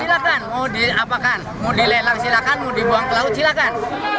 silakan mau dilelang silakan mau dibuang ke laut silakan